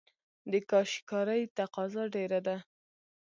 د کاشي کارۍ تقاضا ډیره ده